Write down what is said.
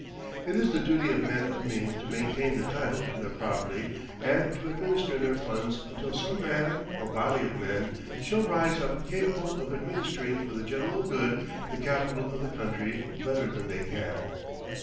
It is the duty of men of means to maintain the title to their property and to administer their funds until some man, or body of men, shall rise up capable of administering for the general good the capital of the country better than they can.